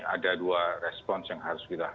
ada dua respons yang harus kita